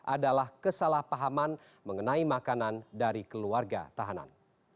adalah kesalahpahaman mengenai makanan dari keluarga tahanan